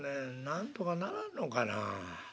なんとかならんのかな。